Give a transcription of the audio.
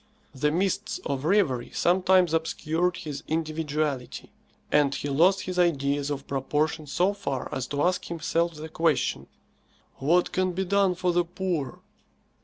The mists of reverie sometimes obscured his individuality, and he lost his ideas of proportion so far as to ask himself the question, "What can be done for the poor?"